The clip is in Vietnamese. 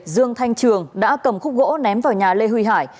dương thanh trường đã cầm khúc gỗ ném vào nhà lê huy hải